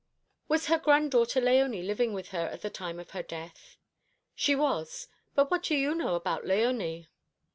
"Was her granddaughter Léonie living with her at the time of her death?" "She was. But what do you know about Léonie?"